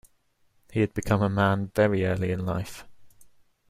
He had become a man very early in life.